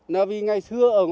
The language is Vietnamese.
nói vì ngày xưa ở